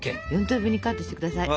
４等分にカットして下さい。